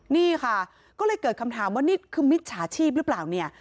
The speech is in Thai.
นี่ค่ะก็เลยเกิดคำถามว่านี่คือมิจฉาชีพหรือเปล่าเนี่ย